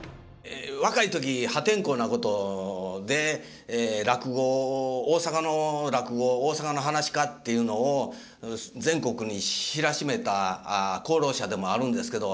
若い時破天荒なことで落語大阪の落語大阪のはなし家っていうのを全国に知らしめた功労者でもあるんですけど。